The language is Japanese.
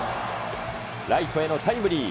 ライトへのタイムリー。